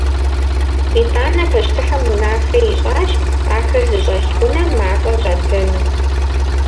Итӏанэ пащтыхьым унафэ ищӏащ ахэр зыщӏэлъ унэм мафӏэ щӏадзэну.